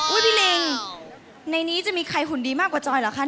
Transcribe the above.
พี่ลิงในนี้จะมีใครหุ่นดีมากกว่าจอยเหรอคะ